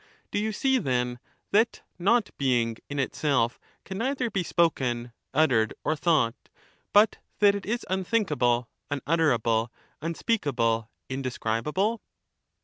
Do you see, then, that not being in itself can neither be spoken, uttered, or thought, but that it is unthinkable,, unutterable, unspeakable, indescribable